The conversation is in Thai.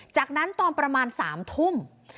จากนั้นตอนประมาณ๓ทุ่ม